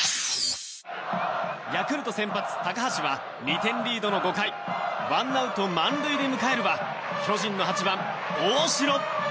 ヤクルト先発、高橋は２点リードの５回１アウト満塁で迎えるは巨人の８番、大城。